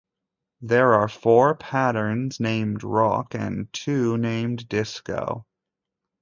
There are four patterns named "Rock" and two named "Disco".